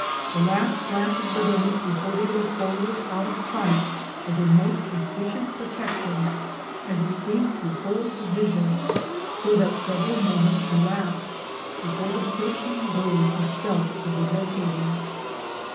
The last flash of the wings before they were folded out of sight was a A GOLD MINE IN THE WILDERNESS. 177 most efficient protection as it seemed to hold the vision, so that several moments elapsed before the perching bird itself could be located.